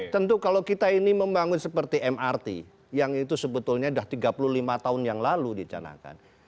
tentu kalau kita ini membangun seperti mrt yang itu sebetulnya sudah tiga puluh lima tahun yang lalu dicanakan